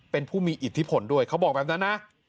เป็นผู้มีอิทธิพลด้วยเขาบอกแบบนั้นนะ